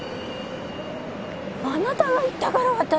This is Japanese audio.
あなたが言ったから私。